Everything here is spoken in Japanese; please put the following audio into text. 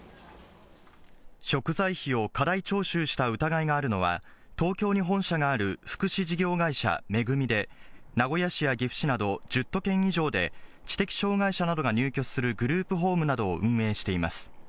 食材費を過大徴収した疑いがあるのは、東京に本社がある福祉事業会社、恵で、名古屋市や岐阜市など１０都県以上で、知的障害者などが入所するグループホームなどを運営しています。